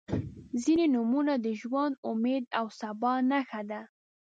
• ځینې نومونه د ژوند، امید او سبا نښه ده.